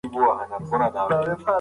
انټرنیټ د علمي موادو تبادله چټکه کړې ده.